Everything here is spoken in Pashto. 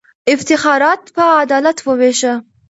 افتخارات په عدالت ووېشه.